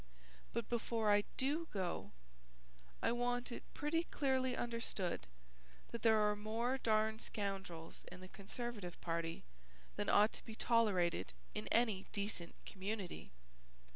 But before I do go, I want it pretty clearly understood that there are more darn scoundrels in the Conservative party than ought to be tolerated in any decent community.